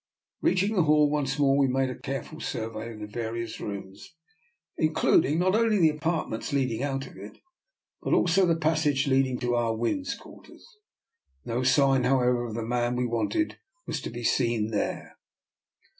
Reaching the hall once more, we made a careful survey of the various rooms, including not only the apart ments leading out of it, but also the passage leading to Ah Win's quarters. No sign, how ever, of the man we wanted was to be seen there.